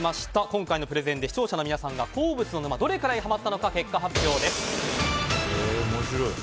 今回のプレゼンで視聴者の皆さんが鉱物の沼にどれくらいハマったのか結果発表です。